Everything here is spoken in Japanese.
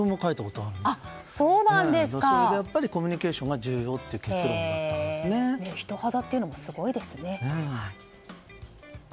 それで、コミュニケーションが重要だという人肌というのもすごいですね。